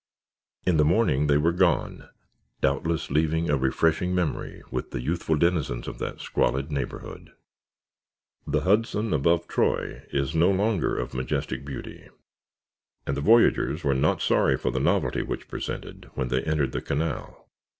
In the morning they were gone, doubtless leaving a refreshing memory with the youthful denizens of that squalid neighborhood. The Hudson above Troy is no longer of majestic beauty and the voyagers were not sorry for the novelty which presented when they entered the canal.